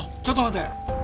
ちょっと待て。